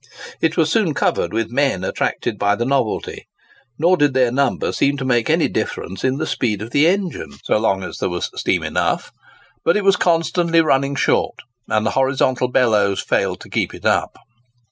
It was soon covered with men attracted by the novelty, nor did their number seem to make any difference in the speed of the engine so long as there was steam enough; but it was constantly running short, and the horizontal bellows failed to keep it up.